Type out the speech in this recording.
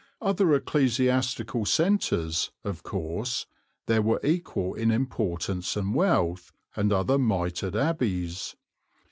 Other ecclesiastical centres, of course, there were equal in importance and wealth, and other mitred abbeys.